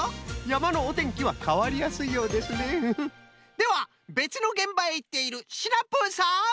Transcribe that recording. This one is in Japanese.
ではべつのげんばへいっているシナプーさん！